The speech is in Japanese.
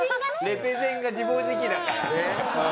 レペゼンが自暴自棄だから。